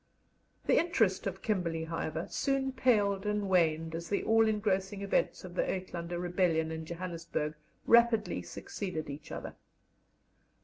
The interest of Kimberley, however, soon paled and waned as the all engrossing events of the Uitlander rebellion in Johannesburg rapidly succeeded each other.